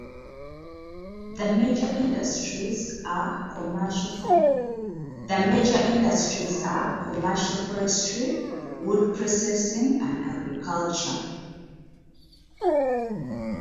The major industries are commercial forestry, wood processing, and agriculture.